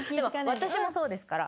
私もそうですから。